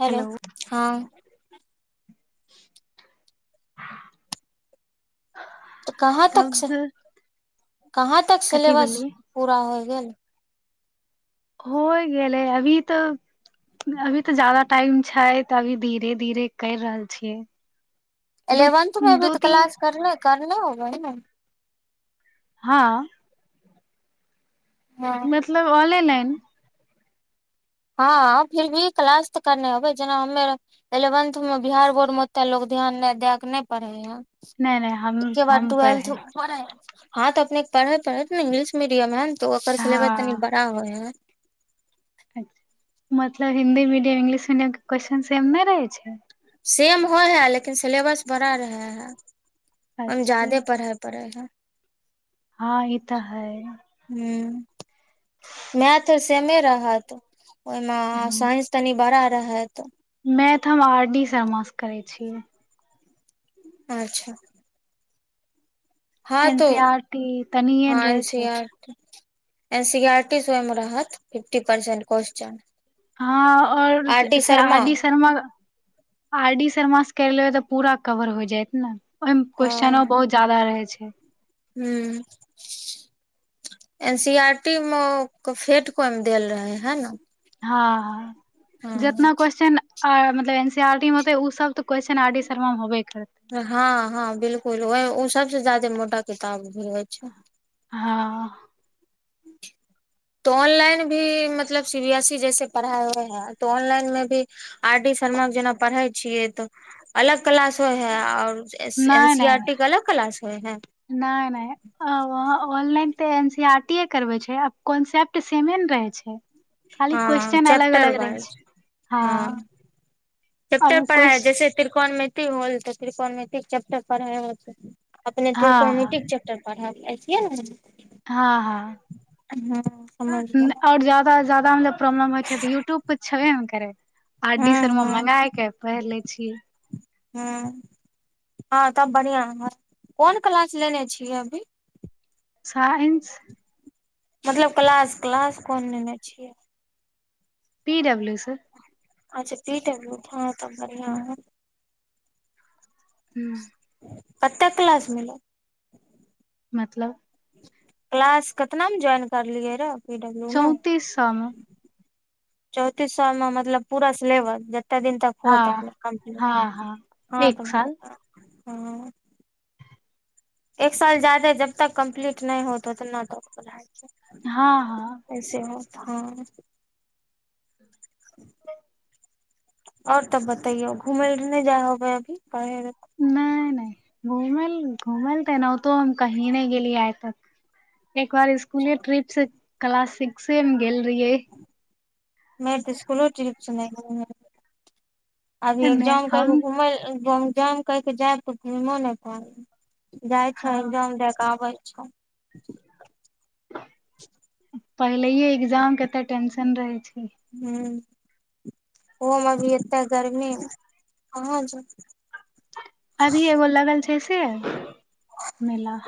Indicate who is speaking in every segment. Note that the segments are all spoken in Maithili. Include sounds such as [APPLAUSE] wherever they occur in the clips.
Speaker 1: हेलो हँ तऽ कहाँ तक
Speaker 2: तब
Speaker 1: छै कहाँ तक
Speaker 2: कथी
Speaker 1: सिलेबस
Speaker 2: बोललियै
Speaker 1: पूरा होय गेल
Speaker 2: होय गेलै अभी तऽ अभी तऽ जादा टाइम छै तऽ अभी धीरे धीरे करि रहल छियै दू
Speaker 1: एलेवन्थ मे अभी
Speaker 2: दू
Speaker 1: तऽ
Speaker 2: तीन
Speaker 1: क्लास करले करना होगा ह न
Speaker 2: हँ
Speaker 1: हँ
Speaker 2: मतलब ऑनलाइलाइन
Speaker 1: हँ फिर भी क्लास तऽ करने हबे जेना हमे इलेवेंथ मे बिहार बोर्ड मे ओते लोग ध्यान दए के नहि पढ़े हे
Speaker 2: नहि नहि हम
Speaker 1: एक के बर
Speaker 2: हम पर
Speaker 1: टेलथ
Speaker 2: है
Speaker 1: हँ तऽ अपने पढ़बे पढ़े इंग्लिश मीडियम है तऽ ओकर सिलेबस तनि
Speaker 2: हँ
Speaker 1: बड़ा होइ है
Speaker 2: मतलब Hindi medium English medium question एम नहि रहे छै
Speaker 1: सेम होइ हइ लेकिन सिलेबस बड़ा रहै है ओहि मे
Speaker 2: अच्छा
Speaker 1: ज्यादे पढ़ाइ पढ़त ह
Speaker 2: हँ ई तऽ है
Speaker 1: ह मै त सेमे रहत ओहिमे साइंस तनि बड़ा रह है त
Speaker 2: मैथ तऽ हम आर डी शर्माँ करै छियै
Speaker 1: अच्छा हँ
Speaker 2: एन
Speaker 1: तो
Speaker 2: सी आर टी तनि
Speaker 1: हँ
Speaker 2: एन रहे
Speaker 1: सी
Speaker 2: छै
Speaker 1: R N C R T स रहत फिफ्टी परसेंट क्वेश्चन
Speaker 2: हँ और
Speaker 1: आर डी
Speaker 2: जैसे R D Sharma R D R D Sharma से कर लेबय त पूरा कवर होय जायत ओहिमे क्वेश्चन
Speaker 1: हँ
Speaker 2: ओ बहुत ज्यादा रहै छै [INAUDIBLE]
Speaker 1: ह एन सी आरटी मे फेट को देल रहे है ने
Speaker 2: हँ ह
Speaker 1: हँ
Speaker 2: जेितना क्वेश्चन आ मतलब एन सी आर टी मेे ओ सब त क्वेश्चनर आर डी शर्मा मे होबे करते
Speaker 1: हँ हँ बिलकुल ओ ओ सब सबसँ ज्यादा मोटा किताब भी होइ छै
Speaker 2: हँ
Speaker 1: तऽ ऑनलाइन भी मतलब सी बी एस ई जैसे पढ़ाई होइ है तो ऑनलाइन मे भी आर टी फर्मा के जेना पढ़े छियै तऽ अलग क्लास होय है और एन
Speaker 2: नहि
Speaker 1: सी
Speaker 2: नहि
Speaker 1: आर टी के अलग क्लास होइ है
Speaker 2: नहि नहि ऑनलाइन तऽ एन सी आर टी ए करबे छै आब कॉन्सेप्ट सेमे ने रहे छै खाली
Speaker 1: हँ
Speaker 2: क्वेश्चन अलग
Speaker 1: चैप्टर
Speaker 2: अलग रहे छै
Speaker 1: वाइज
Speaker 2: हँ
Speaker 1: कटेक
Speaker 2: आब
Speaker 1: पढ़ाई
Speaker 2: क्वेश्चन
Speaker 1: जैसे त तत्रिकोणमिति होल तऽ त्रिकोणमिती चैप्टर पढ़ाई होतय अपने
Speaker 2: हँ हँ
Speaker 1: कॉमेटिक चैपटर पढ़ा छियै ने
Speaker 2: हँ हँ
Speaker 1: हँ समझ गेलौ
Speaker 2: आओर ज्यादा ज्यादा प्रॉब्लम होइ छै तऽ यूट्यूब पर छेबे ने करै आर डी
Speaker 1: हँ
Speaker 2: शर्मा मे
Speaker 1: हँ
Speaker 2: मगाायके पहिर लए छियै
Speaker 1: ह्म्म हँ तब बढ़िआँ हत कोन क्लास लेने छियै अभी
Speaker 2: साइन्स
Speaker 1: मतलब क्लास क्लास कोन लेने छियै
Speaker 2: पी डब्लू स
Speaker 1: अच्छा पी टबल ह तऽ बढ़िआँ
Speaker 2: हू
Speaker 1: कतेक क्लास मिल
Speaker 2: मतलब
Speaker 1: क्लास कितनामे ज्वाइन करलियै र
Speaker 2: चौंती साम
Speaker 1: चौतीस सए मे मतलब पूरा लेब दिन तक होत
Speaker 2: हँ
Speaker 1: अपने कम्प्लीट
Speaker 2: हँ हँ
Speaker 1: हँ
Speaker 2: एक
Speaker 1: त ब
Speaker 2: साल
Speaker 1: आँ एक साल जा्यादे जब तक कम्प्लीट नहि होत उतना तो
Speaker 2: हँ हँ
Speaker 1: कैसे ह हँ आओर तब बताैयौ घुमै नहि जाय होबै अभी आ
Speaker 2: घूमल घूमल तऽ एनाहितो हम कहीं नहि गेलिय आइ तक एक बार स्कुले ट्रिप से क्लास सिक्से मे गेल रहियै
Speaker 1: मे तऽ स्कूलो ट्रप सुन अभी
Speaker 2: नहि
Speaker 1: एग्जाम करके
Speaker 2: हम
Speaker 1: घुमल जाम क के जायब तऽ घुमो नहि प जाइ छै
Speaker 2: हँ
Speaker 1: जम देखके आबै [UNINTELLIGIBLE]
Speaker 2: पहिलेे एग्जाम केते टेंशन रहे छै
Speaker 1: हँ ओहोमे अभी एते गर्मी कहाँ जा
Speaker 2: अभी एगोलाग् छै से मिला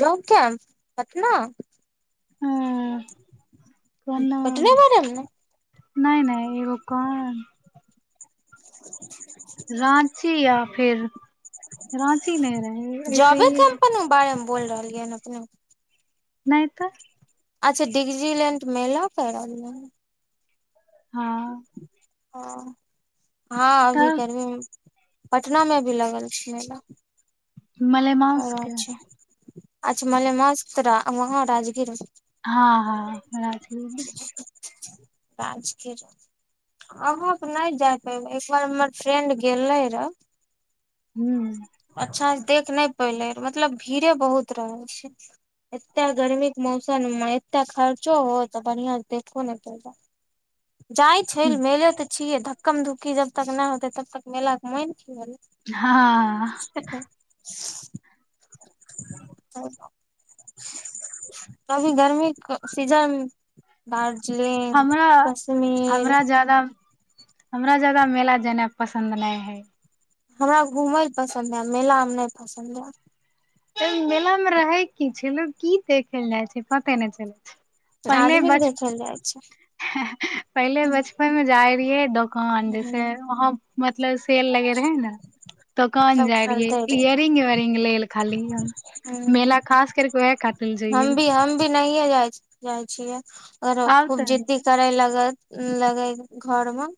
Speaker 1: जब कम पतना
Speaker 2: हँ कोनो
Speaker 1: पटने बर ने
Speaker 2: नहि नहि ए रो कोन
Speaker 1: [UNINTELLIGIBLE]
Speaker 2: राँची या फिर राँची नहि रहे ऐसे
Speaker 1: जॉबे
Speaker 2: ही ह
Speaker 1: कैम्पन बारे मे बोल रहलियै हन अपने
Speaker 2: नहि तऽ
Speaker 1: अच्छा डिगजी लैं्ड मेला कर रहल
Speaker 2: हँ
Speaker 1: ह हँ अभी
Speaker 2: तऽ
Speaker 1: करब पटना मे भी लगल छै मेला
Speaker 2: मलेमंसके
Speaker 1: अच्छा अच्छा मले मास त वहाँ राजगीर
Speaker 2: हँ हँ हमराथ
Speaker 1: राजग अहाँ त नहि जाय पयबै एकबार हमर फ्रेंड गेलै रहए
Speaker 2: हू
Speaker 1: अच्छासँ देख नहि पयले मतलब भीड़े बहुत रहै छै एतेक गर्मीके मौसममे एतेक खर्चो हो तऽ बढ़िआं से देखो नहि पयल जाइ छै म तऽ छिय धकम धुक्ी जबतक नहि होते तब तक मेला के मन छिय
Speaker 2: हँ
Speaker 1: [UNINTELLIGIBLE] कभी गर्मी सीजन दार्जिलिंग
Speaker 2: हमरा
Speaker 1: कश्मीर
Speaker 2: हमरा ज्यादा हमरा जााददा मेला जेनाइ पसन्द नहि हइ
Speaker 1: हमरा घूमय लए पसन्द हए मेलामे नहि पसन्द हए
Speaker 2: त मेला मे रहै की छै म की देख ल जाइ छै पते नहि चलै छै
Speaker 1: है
Speaker 2: पहिले
Speaker 1: आदमी के
Speaker 2: बच
Speaker 1: देखे ले जाइ छै
Speaker 2: पहिले बचपन मे जाइ रहियै दोकान जैसे
Speaker 1: ह
Speaker 2: वहाँ मतलब शेल लगे रहे है न तऽोकन
Speaker 1: सब
Speaker 2: जाइ रहिै
Speaker 1: खरीदे रहे
Speaker 2: इयरिंग वेरिंग ल ल खाली ही
Speaker 1: ह
Speaker 2: मेलला खास कर को
Speaker 1: हम भी हम भी नहिए जाइ छियै कर
Speaker 2: आब
Speaker 1: खूब
Speaker 2: तऽ
Speaker 1: जिद्दी करै लग लगैत घर मे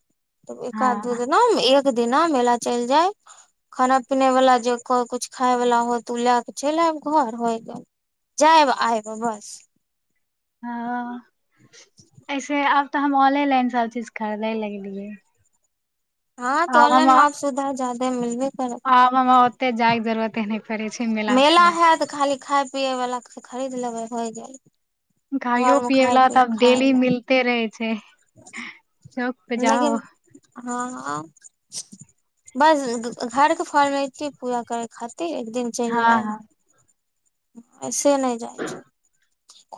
Speaker 1: एकध दू
Speaker 2: हँ
Speaker 1: न एक एक दिना मेला चलि जाय खाना पिने वाला जे कुछ खाय वलाा होत ओ लए के चलि आयब घर होय गेल जाब आयब बस
Speaker 2: हँ ऐसे आब तऽ हम ऑनलाइन सभ चीज खरीदे लगलियै
Speaker 1: हँ त ऑनलाइन माप सुधा जा मिलबै
Speaker 2: आाम ओते जाग जरतेन
Speaker 1: मेला है तऽ खाली ख खााय पियए वला के खरीद लेबै होइ जा
Speaker 2: खाइयो पियेवला तऽ आब डेली
Speaker 1: ले
Speaker 2: मिलते रहै छै चख जाओ
Speaker 1: लेकिन बस घर के फल मे एत पूजा करै खातिर त एक दिन चल
Speaker 2: हँ
Speaker 1: जाै
Speaker 2: हँ
Speaker 1: अछ से नहि जाइ छ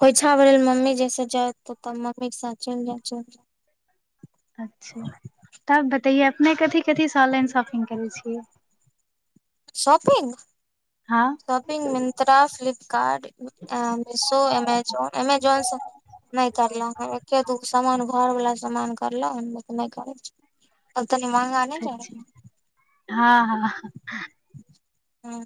Speaker 1: कोोइ छावर ल मम्मी जैसे जाय तऽ मम्मी केी साच चल जा अच्छाा
Speaker 2: तऽय अपने कथिी कथीसँ ऑनलाइन शॉपिंग करै छियै
Speaker 1: शॉपिंग
Speaker 2: हँ
Speaker 1: शॉपिंग मिन्त्रा फ्लिपकार्ट मिशो अमेजोन अमेजोनसँ न करल ह क तू सान घर बालला समामान करलो त नहि करै छी तनी महंगा नहि रहे
Speaker 2: अछा हँ हँ
Speaker 1: हँ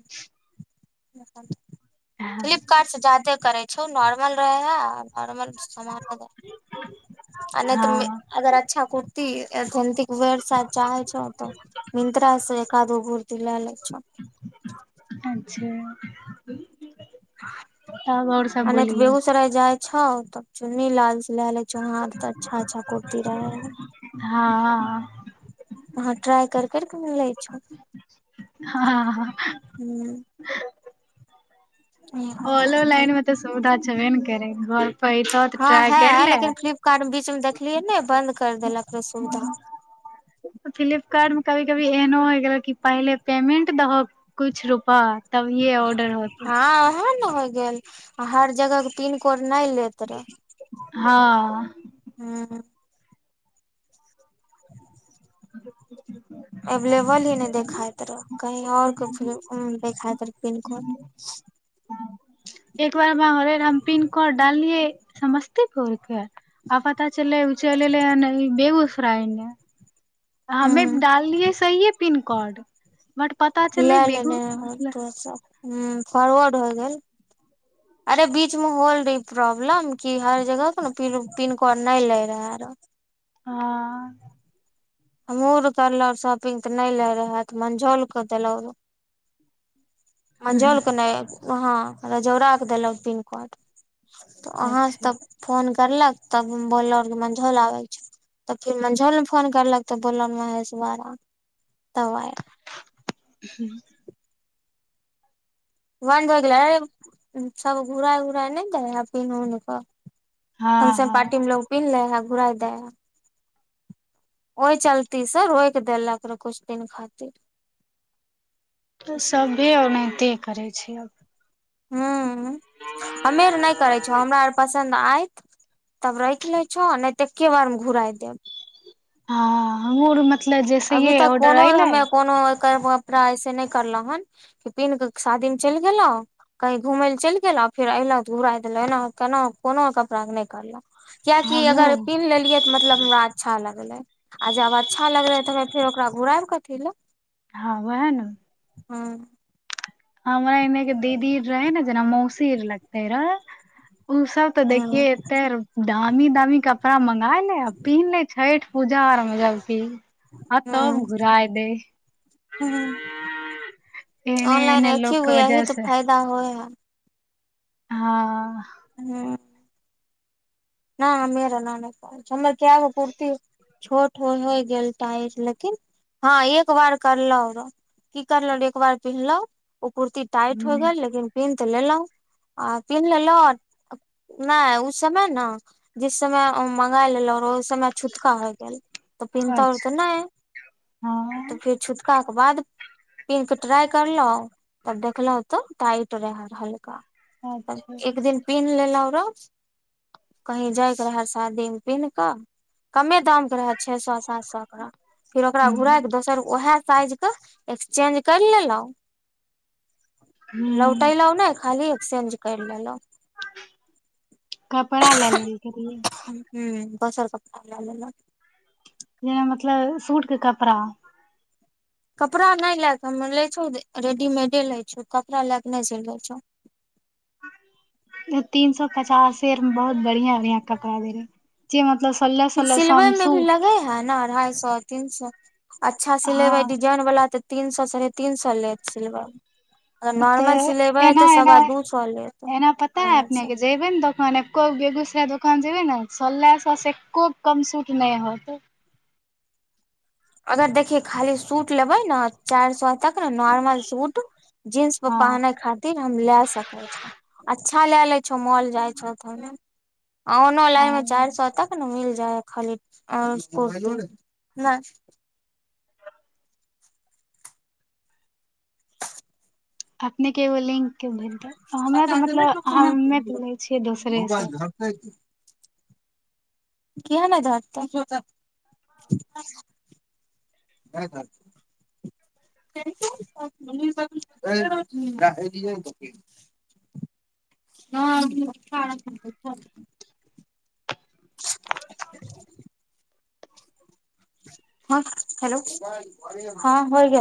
Speaker 1: फ्लिपकार्टस जादे कर छै स नर्माल रहै हा आर सान आ नहि तऽ
Speaker 2: हँ
Speaker 1: अगर अच्छा कुर्ती जन्त वेर सा चाहै छौ तऽ मिन्त्र्रा से कादो भर्दी लए लै छ
Speaker 2: अा
Speaker 1: आ तऽ
Speaker 2: बोलिये
Speaker 1: बेगुसराय जाय छा तब चुन्नी लाल से ल चुार तऽ अच्छा अच्छा कती रहै है
Speaker 2: हँ
Speaker 1: हँ ्राय कर कर क म ल इ्छ
Speaker 2: हँ ओलो
Speaker 1: हँ
Speaker 2: लैनिन मत सुधाचेन [UNINTELLIGIBLE]
Speaker 1: हँ है लेकिन फ्लिपकार्ट बीचमे देखलियै ने बन्द कर देलक र सुविधा
Speaker 2: फ्लिपकार्ट मे कभी कभी एहनो होइ गेलऽ कि पहिले पेमेन्ट दहऽ किछु रुपा तब ये ऑर्डर होत
Speaker 1: [UNINTELLIGIBLE] कोना इल तर
Speaker 2: हँ
Speaker 1: हँ
Speaker 2: ह
Speaker 1: अवलेबल ही नहि देखा ह तर कही आऔर को फ देखायइ र पिननकड
Speaker 2: एक बार घरे र हम पिन् कऽ डाललियै समस्तीपुर के आफ त चलै चल लै बग खइने
Speaker 1: ह
Speaker 2: हमे डाललियै सहिए पिनकोड बर पता चलै
Speaker 1: लए
Speaker 2: बेगू
Speaker 1: लेने
Speaker 2: मतलब
Speaker 1: तो सब ह फोरवर्ड हो गेल अरे बीच में होल्ड प्रॉब्लम की हर जगह कोनो पिनकोड नहि लै रहै आरो
Speaker 2: हँ
Speaker 1: हमहूँ आर करलहुँ शॉपिंग तऽ नहि लैत रह है तऽ मंझौलकेऽ देलहुँ र मञजल क नहि हँ रजौड़ा के देलक पिननकोड तऽ अहाँ से
Speaker 2: अच्छा
Speaker 1: तब फोन करलक तब बोललो मंझौल आबे छैौ तब फिर मंझौल में फोन करलक तऽ बोल हस बारा तब आय
Speaker 2: हू
Speaker 1: बन्द होइ गेल अ सब घुराए उराय नहि दे प क
Speaker 2: हँ
Speaker 1: फंक्शन
Speaker 2: हँ
Speaker 1: पारटीमे ल उपी लै ह घुराय दै ओहि चलती से रोोकि देलक रह कुछ दिन खातिर
Speaker 2: त सबी ओनहिते करे अब
Speaker 1: हँ ह हमे आर नहि करे छ हमरा आर पास पसन्द आयत तब राख ले छो नहि तऽेके बार मे घुरा देब
Speaker 2: ह हमूर म
Speaker 1: अभी तक कोनो हमे कोनो कपड़ा ऐसे नहि करलहु हेन कि पिन्ह कऽ शादीमे चलि गेलहु कही घूमय लए चलि गेलहु फेर एऐलहु तऽ घुराय देलहुँ एना केना कोनो कपड़ाे नहि करलहु क्य कि अगर
Speaker 2: हमहूँ
Speaker 1: पिन्ह लेलियै त मतलब हमरा अच्छा लगले आ जब अच्छा लगले त फेर ओकरा घराएब कथी ल
Speaker 2: हँ वएह ने
Speaker 1: ह
Speaker 2: हमरा एने के दीदीर रहे ने जेना मौसीर लगते रहे ओ सब ते देखिये
Speaker 1: हूँ
Speaker 2: एते दामी दामी कपड़ा मंगा ले आ पहिन्ह ले छठ पूजा आरमे जालक आ तो
Speaker 1: हूँ
Speaker 2: घुराए देने
Speaker 1: हूँ की फायदा हो ओ
Speaker 2: हँ
Speaker 1: हँ न मीर नान कह च क्य कुर्ती छोट हो होय गेल लेकिन हँ एक बार करलहु र की करलहु एक बार पिन्हलहु ओ कुर्ती टाइट होइ
Speaker 2: ह
Speaker 1: गेल लेकिन पिनह तऽ लेलहुं आ पिन्ह लेलहु नहि ओ समय ने जिस समय मँंगा लेलो रोज समय छूटका हो गेल तऽ पिन्ता र
Speaker 2: अच्छा
Speaker 1: त नहि त
Speaker 2: हँ
Speaker 1: फिर हल्का के बाद पिन्ह के ट्राई करलहुं तब देखलो तो टाइट रहे हल्का
Speaker 2: अच्छा
Speaker 1: एक दिन पिन्ह लेब हेल र [INAUDIBLE] कहीं जायत रहे शादीमे पिन्ह कऽ कमे दाम के रहे छे सए सात सए के फिर ओकरा घुरा
Speaker 2: ह
Speaker 1: क दोसर ओएह साइज त एक्सचेंज कर लेलहु
Speaker 2: ह
Speaker 1: लौटोलहुँ न खाली एक्सेंज कर लेलहुँ
Speaker 2: कपड़ा लेना करए
Speaker 1: हुँ दोसर कपड़ा लेलहुँ
Speaker 2: जेना मतलब सूट के कपड़ा
Speaker 1: कपड़ा नहि लए कऽ हम लै छौ रेडीमेडे लै छौ कपड़ा लए कऽ नहि सिलबै छौ
Speaker 2: तीन सो पचास बहुत बढ़ििया बढ़आ कपड़ा दे रहे जेम
Speaker 1: फिर सिलबै मे भी लगे है न अढ़ाई सए तीन सए अच्छा सिलेबै
Speaker 2: हँ
Speaker 1: डिजाइन वला त तीन सए साढ़े तीन सए ले सिलवर
Speaker 2: तऽ एना एना
Speaker 1: दू सौ लेत
Speaker 2: एना पता है
Speaker 1: अढ़ाई
Speaker 2: अपने
Speaker 1: सौ
Speaker 2: के जेबे ने दोकान एको बेगूसराय दोकान जेबै ने सलला स एक्को कमसूट नहि हत
Speaker 1: अगर देखिये खाली सूट लेबै ने चारि सए तक ने नॉर्मल सूट जीन्स पर
Speaker 2: हँ
Speaker 1: पहने खातिर हम ले सके छौ अच्छा लए ले छो मॉल जाइ छौ त ओना लाइमे चार
Speaker 2: हँ
Speaker 1: सए त के ने मिल जायँ खाली ना जाय
Speaker 2: अपने के बोलि हमें तऽ मतलब हमे तऽ लै छियै दोसरे से
Speaker 1: किया नहि धरतेय ह हँ हेलो हँ हो गेलय